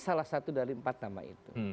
salah satu dari empat nama itu